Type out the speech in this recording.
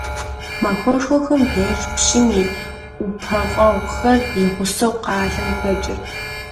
Махуэшхуэхэм деж пщым и ӀупэфӀэгъухэр и гъусэу къалэм дэкӀырт.